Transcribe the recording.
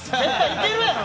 いけるやろ！